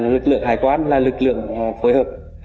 lực lượng hải quan là lực lượng phối hợp